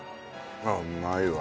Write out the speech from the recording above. うまいわ。